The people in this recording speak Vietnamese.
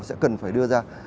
sẽ cần phải đưa ra